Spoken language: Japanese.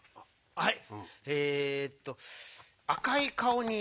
はい。